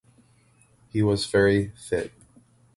He was very fit.